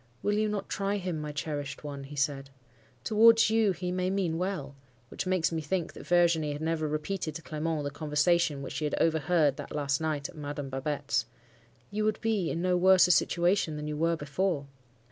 "'Will you not try him, my cherished one?' he said. 'Towards you he may mean well' (which makes me think that Virginie had never repeated to Clement the conversation which she had overheard that last night at Madame Babette's); 'you would be in no worse a situation than you were before!